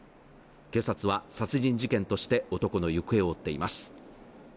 警察は殺人事件として男の行方を追っています